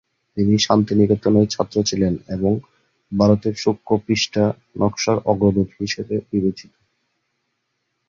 তিনি শান্তিনিকেতনের ছাত্র ছিলেন এবং ভারতের শুষ্কপৃষ্ঠা-নকশার অগ্রদূত হিসেবে বিবেচিত।